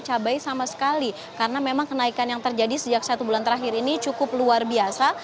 cabai sama sekali karena memang kenaikan yang terjadi sejak satu bulan terakhir ini cukup luar biasa